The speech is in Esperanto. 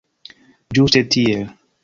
Ĝuste tiel!